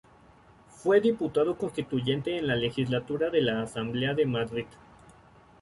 Fue diputado constituyente en la legislatura de la Asamblea de Madrid.